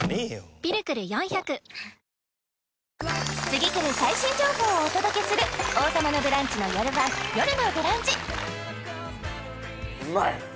次くる最新情報をお届けする「王様のブランチ」の夜版「よるのブランチ」